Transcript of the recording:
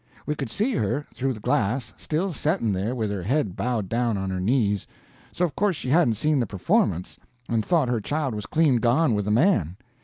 We could see her, through the glass, still setting there, with her head bowed down on her knees; so of course she hadn't seen the performance, and thought her child was clean gone with the man.